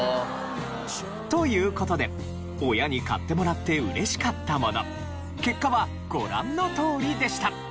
という事で親に買ってもらって嬉しかったもの結果はご覧のとおりでした。